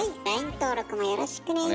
登録もよろしくね。